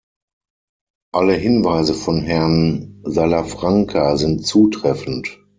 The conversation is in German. Alle Hinweise von Herrn Salafranca sind zutreffend.